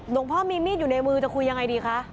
หลวงพ่อมีมีดอยู่ในมือจะคุยยังไงดีคะ